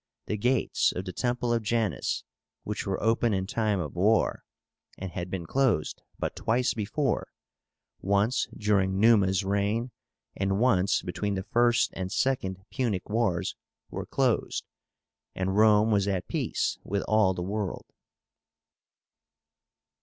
The gates of the temple of JANUS which were open in time of war, and had been closed but twice before, once during Numa's reign, and once between the First and Second Punic Wars were closed, and Rome was at peace with all the world.